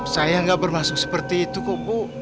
saya gak bermaksud seperti itu kok bu